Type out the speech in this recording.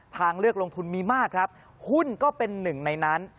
ทางเลือกลงทุนมีมากครับหุ้นก็เป็นหนึ่งในนั้น